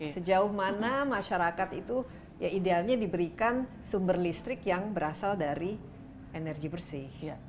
sejauh mana masyarakat itu ya idealnya diberikan sumber listrik yang berasal dari energi bersih